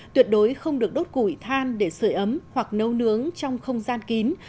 tuyệt đối không được đốt củi than để sửa ấm hoặc nấu nướng trong không gian kín